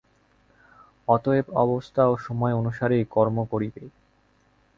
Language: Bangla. অতএব অবস্থা ও সময় অনুসারেই কর্ম করিবে।